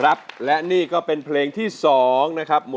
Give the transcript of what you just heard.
แต่เล่นกันก็เห็นเหลือตะงาน